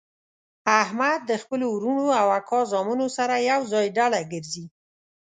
احمد د خپلو ورڼو او کاکا زامنو سره ېوځای ډله ګرځي.